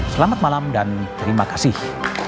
selamat malam dan terima kasih